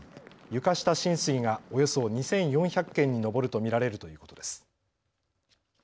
床下浸水がおよそ２４００件に上ると見られるということです。